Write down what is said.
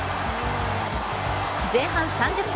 前半３０分